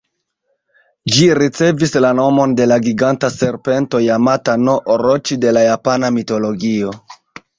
Ĝi ricevis la nomon de la giganta serpento Jamata-no-Oroĉi de la japana mitologio.